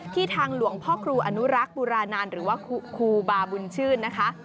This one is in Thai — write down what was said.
ทางหลวงพ่อครูอนุรักษ์บุรานานหรือว่าครูบาบุญชื่นนะคะ